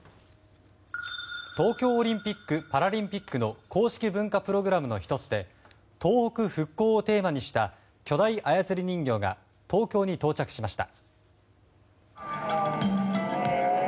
東京オリンピック・パラリンピックの公式文化プログラムの１つで東北復興をテーマにした巨大操り人形が東京に到着しました。